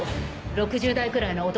６０代くらいの男